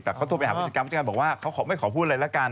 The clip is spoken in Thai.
แต่เขาตัวไปหาผู้จัดการบอกว่าเขาไม่ขอพูดอะไรแล้วกัน